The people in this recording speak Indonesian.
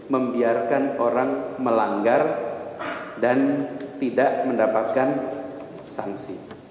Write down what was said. membiarkan orang melanggar dan tidak mendapatkan sanksi